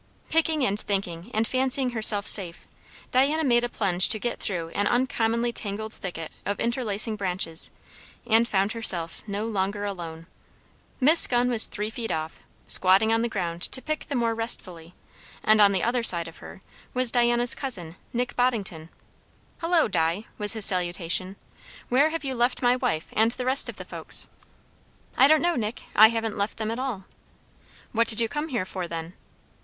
Picking and thinking and fancying herself safe, Diana made a plunge to get through an uncommonly tangled thicket of interlacing branches, and found herself no longer alone. Miss Gunn was three feet off, squatting on the ground to pick the more restfully; and on the other side of her was Diana's cousin, Nick Boddington. "Hullo, Di!" was his salutation, "where have you left my wife and the rest of the folks?" "I don't know, Nick; I haven't left them at all." "What did you come here for, then?"